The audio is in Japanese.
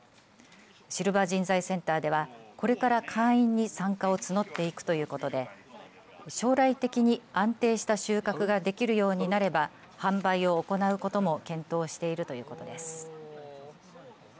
シルバー人材センターではこれから会員に参加を募っていくということで将来的に安定した収穫ができるようになれば販売を行うことも検討しているということです。